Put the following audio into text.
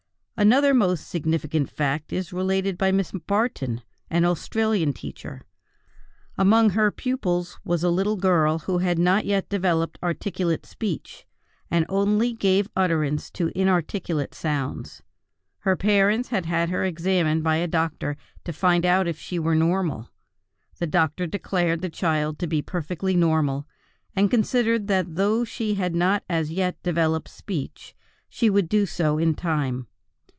Another most significant fact is related by Miss Barton, an Australian teacher. Among her pupils was a little girl who had not yet developed articulate speech, and only gave utterance to inarticulate sounds; her parents had had her examined by a doctor to find out if she were normal; the doctor declared the child to be perfectly normal, and considered that though she had not as yet developed speech, she would do so in time.